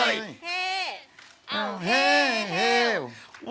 เฮเอาเฮเฮว